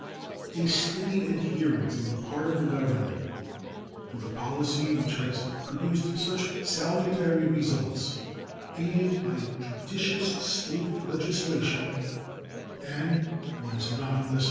A steady adherence on the part of the Government to the policy which has produced such salutary results, aided by judicious State legislation and, what is not less